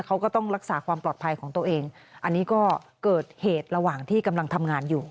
เขาก็ต้องรักษาความปลอดภัยของตัวเองอันนี้ก็เกิดเหตุระหว่างที่กำลังทำงานอยู่